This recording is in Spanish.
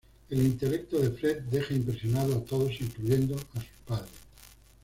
El intelecto de Fred deja impresionados a todos incluyendo a sus padres.